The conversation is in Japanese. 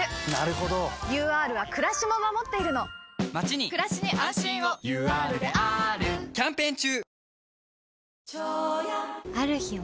ＵＲはくらしも守っているのまちにくらしに安心をＵＲであーるキャンペーン中！